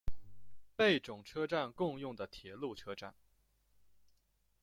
贝冢车站共用的铁路车站。